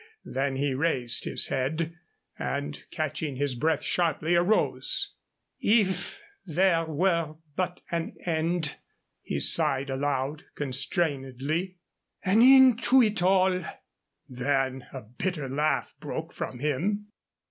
Then he raised his head, and, catching his breath sharply, arose. "If there were but an end," he sighed aloud, constrainedly "an end to it all!" Then a bitter laugh broke from him.